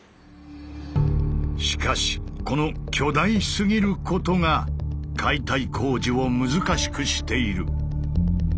しかしこの「巨大すぎること」が解体工事を難しくしている。